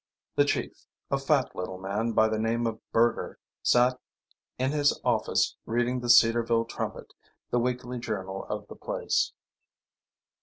The chief, a little fat man by the name of Burger, sat in his office reading the Cedarville Trumpet, the weekly journal of the place.